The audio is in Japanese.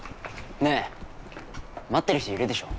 ねえ待ってる人いるでしょう。